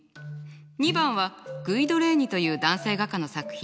２番はグイド・レーニという男性画家の作品。